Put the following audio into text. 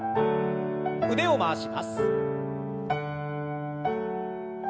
腕を回します。